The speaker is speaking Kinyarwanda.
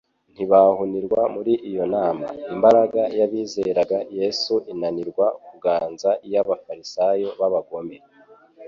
ntibahunirwa muri iyo nama. Imbaraga y'abizeraga Yesu inanirwa kuganza iy'abafarisayo b'abagome.